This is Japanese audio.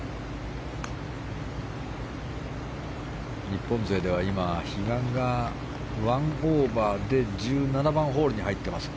日本勢では今、比嘉が１オーバーで１７番ホールに入っています。